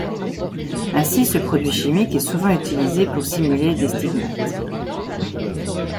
Ainsi, ce produit chimique est souvent utilisé pour simuler des stigmates.